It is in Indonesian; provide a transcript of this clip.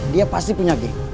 dia pasti punya geng